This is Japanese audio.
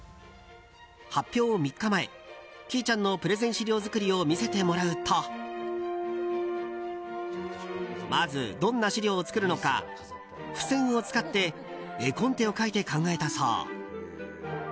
発表３日前きいちゃんのプレゼン資料作りを見せてもらうとまず、どんな資料を作るのか付箋を使って絵コンテを描いて考えたそう。